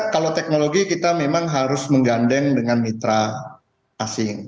kalau teknologi kita memang harus menggandeng dengan mitra asing